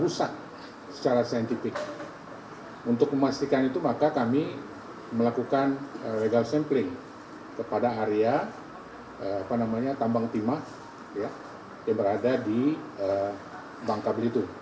rusak secara saintifik untuk memastikan itu maka kami melakukan legal sampling kepada area tambang timah yang berada di bangka belitung